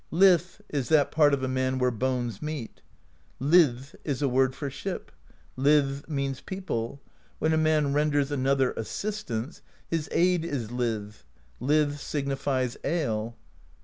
\_Lith^ is that part of a man where bones meet; lid is a word for ship; lid means people; when a man renders an other assistance, his aid is lid; lid signifies ale.